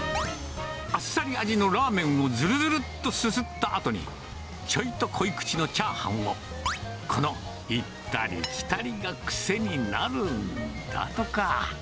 あっさり味のラーメンをずるずるっとすすったあとに、ちょいと濃い口のチャーハンを、この行ったり来たりが癖になるんだとか。